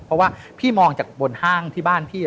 เพราะว่าพี่มองจากบนห้างที่บ้านพี่